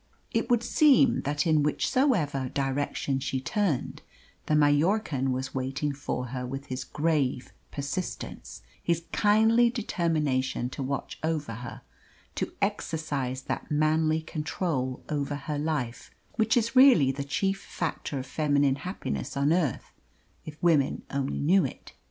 It would seem that in whichsoever direction she turned, the Mallorcan was waiting for her with his grave persistence, his kindly determination to watch over her, to exercise that manly control over her life which is really the chief factor of feminine happiness on earth if women only knew it.